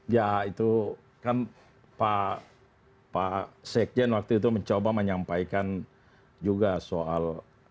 ya itu kan pak sekjen waktu itu mencoba menyampaikan juga soal